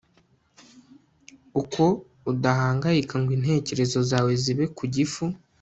Uko udahangayika ngo intekerezo zawe zibe ku gifu